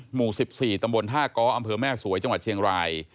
หมู่๑๔ตำบลท่าก้ออำเภอแม่สวยจังหวัดเชียงราย